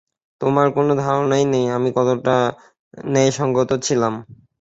তোমার কোনো ধারণাই নেই, আমি কতটা ন্যায়সঙ্গত ছিলাম।